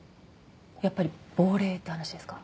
やっぱり亡霊って話ですか？